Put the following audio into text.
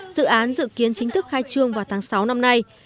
dự án dự kiến chính thức khai trương vào tháng sáu năm nay